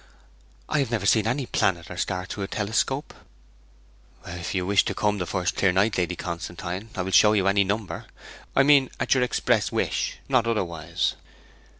'I have never seen any planet or star through a telescope.' 'If you will come the first clear night, Lady Constantine, I will show you any number. I mean, at your express wish; not otherwise.'